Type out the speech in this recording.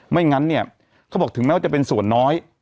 ไม่งั้นเนี่ยเขาบอกถึงแม้ว่าจะเป็นส่วนน้อย